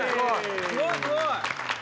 すごいすごい！